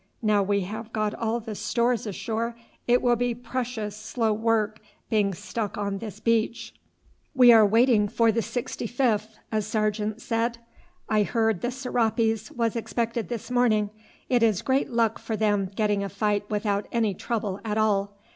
Now we have got all the stores ashore it will be precious slow work being stuck on this beach." "We are waiting for the 65th," a sergeant said. "I hear the Serapis was expected this morning. It is great luck for them getting a fight without any trouble at all.